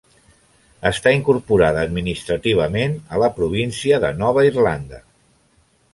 Està incorporada administrativament a la província de Nova Irlanda.